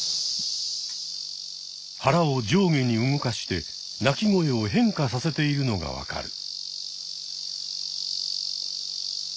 腹を上下に動かして鳴き声を変化させているのがわかる。